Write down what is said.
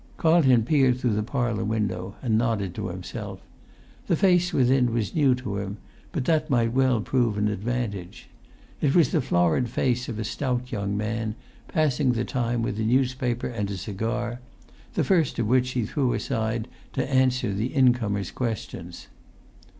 Carlton peered through the parlour window, and nodded to himself. The face within was new to him, but that might well prove an advantage. It was the florid face of a stout young man, passing the time with a newspaper and a cigar, the first of which he threw aside to answer the incomer's questions.